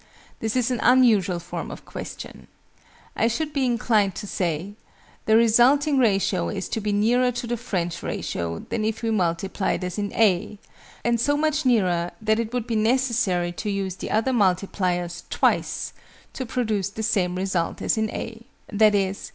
This is an unusual form of question. I should be inclined to say "the resulting ratio is to be nearer to the French ratio than if we multiplied as in (a), and so much nearer that it would be necessary to use the other multipliers twice to produce the same result as in (a):" _e.